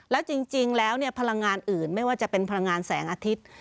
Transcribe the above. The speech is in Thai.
แล้วจริงแล้วพลังงานอื่นไม่ว่าจะเป็นพลังงานแสงอาทิตย์